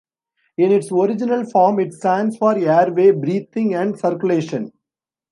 In its original form it stands for "Airway", "Breathing," and "Circulation".